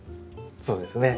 そうですね。